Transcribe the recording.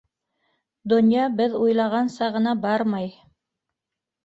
- Донъя беҙ уйлағанса ғына бармай.